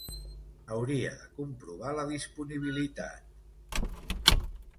Hauria de comprovar la disponibilitat.